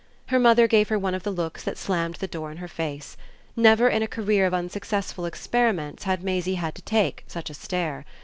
Her mother gave her one of the looks that slammed the door in her face; never in a career of unsuccessful experiments had Maisie had to take such a stare.